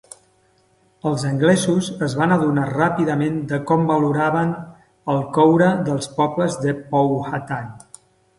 Els anglesos es van adonar ràpidament de com valoraven el coure els pobles Powhatan.